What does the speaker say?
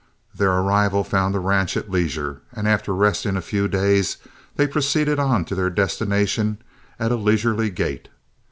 Their arrival found the ranch at leisure, and after resting a few days they proceeded on to their destination at a leisurely gait.